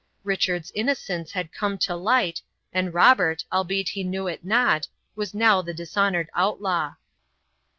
Richard's innocence had come to light, and Robert, albeit he knew it not, was now the dishonored outlaw.